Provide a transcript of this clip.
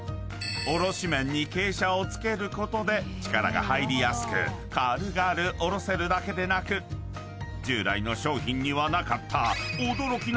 ［おろし面に傾斜をつけることで力が入りやすく軽々おろせるだけでなく従来の商品にはなかった］